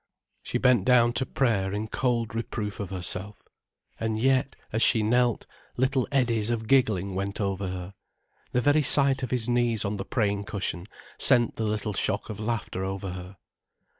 She bent down to prayer in cold reproof of herself. And yet, as she knelt, little eddies of giggling went over her. The very sight of his knees on the praying cushion sent the little shock of laughter over her.